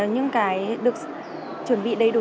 những cái được chuẩn bị đầy đủ